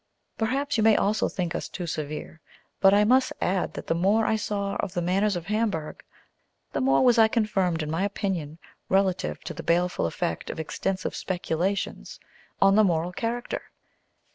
Perhaps you may also think us too severe; but I must add that the more I saw of the manners of Hamburg, the more was I confirmed in my opinion relative to the baleful effect of extensive speculations on the moral character.